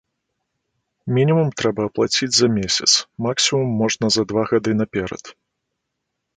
Мінімум трэба аплаціць за месяц, максімум можна за два гады наперад.